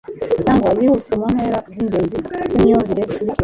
cyangwa yihuse mu ntera z'ingenzi z'imyumvire zikurikira